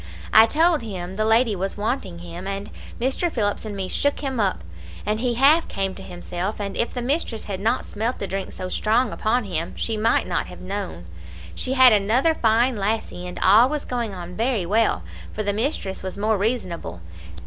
I told him the lady was wanting him, and Mr. Phillips and me shook him up; and he half came to himself; and if the mistress had not smelt the drink so strong upon him, she might not have known. She had another fine lassie, and all was going on very well, for the mistress was more reasonable.